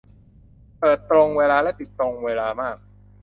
เปิดตรงเวลาและปิดตรงเวลามาก